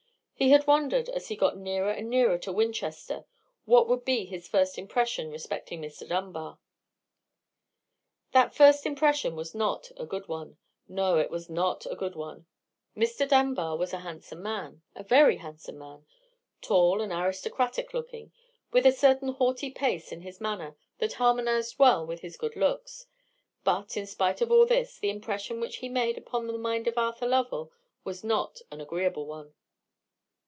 He had wondered, as he got nearer and nearer to Winchester, what would be his first impression respecting Mr. Dunbar. That first impression was not a good one—no, it was not a good one. Mr. Dunbar was a handsome man—a very handsome man—tall and aristocratic looking, with a certain haughty pace in his manner that harmonized well with his good looks. But, in spite of all this, the impression which he made upon the mind of Arthur Lovell was not an agreeable one.